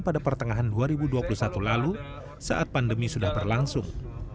pada pertengahan dua ribu dua puluh satu lalu saat pandemi sudah berlangsung